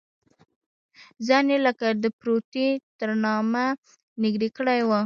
ځان یې لکه د پروتې تر نامه نږدې کړی و.